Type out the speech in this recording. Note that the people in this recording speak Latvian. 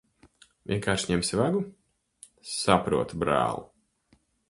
Vienkārši ņemsi vagu? Saprotu, brāl'.